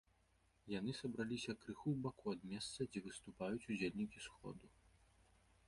Яны сабраліся крыху ў баку ад месца, дзе выступаюць удзельнікі сходу.